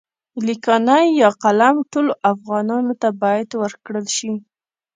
لیکانی يا قلم ټولو افغانانو ته باید ورکړل شي.